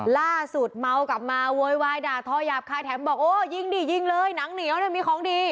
ล่าสุดเมากลับมาโวยวายด่าทอหยาบคายแถมบอกโอ้ยิงดิยิงเลยหนังเหนียวมีของดี